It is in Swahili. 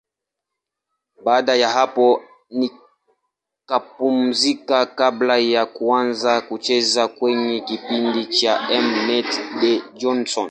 Baada ya hapo nikapumzika kabla ya kuanza kucheza kwenye kipindi cha M-net, The Johnsons.